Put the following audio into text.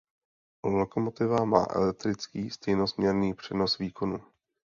Lokomotiva má elektrický stejnosměrný přenos výkonu.